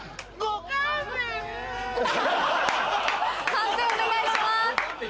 判定お願いします。